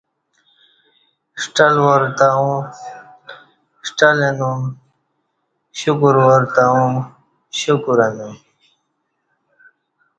ݜٹل وارتہ اوں ݜٹل اینوم ݜکور وار تہ اوں شکور اینوم